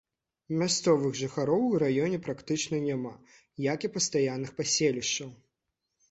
Мясцовых жыхароў у раёне практычна няма, як і пастаянных паселішчаў.